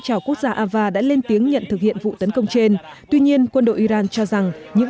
trào quốc gia ava đã lên tiếng nhận thực hiện vụ tấn công trên tuy nhiên quân đội iran cho rằng những